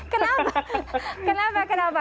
kenapa kenapa kenapa